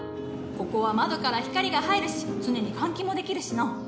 ここは窓から光が入るし常に換気もできるしのう。